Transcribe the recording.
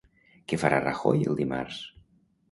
Què farà Rajoy el dimarts?